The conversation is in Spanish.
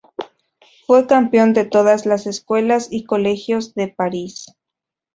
Fue campeón de todas las escuelas y colegios de París.